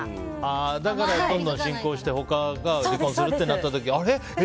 だから、どんどん進行して離婚するってなった時にあれ？え？